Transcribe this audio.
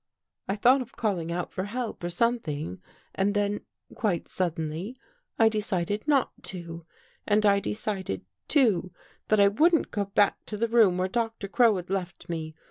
" I thought of calling out for help or something and then quite suddenly I decided not to and I de cided, too, that I wouldn't go back to the room where Doctor Crow had left me.